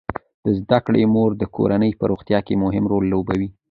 د زده کړې مور د کورنۍ په روغتیا کې مهم رول لوبوي.